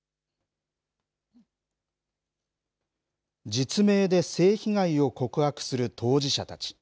実名で性被害を告白する当事者たち。